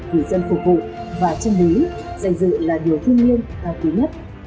gửi dân phục vụ và chân bí dành dự là điều thiên nhiên và thứ nhất